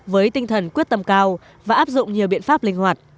với tinh thần quyết tâm cao và áp dụng nhiều biện pháp linh hoạt